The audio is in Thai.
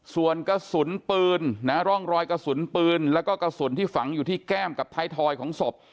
ส่วนกระสุนปืนนะร่องรอยกระสุนปืนแล้วก็กระสุนที่ฝังอยู่ที่แก้มกับท้ายทอยของศพ